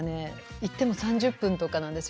言っても３０分とかなんですよ